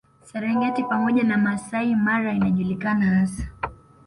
Serengeti pamoja na Masai Mara inajulikana hasa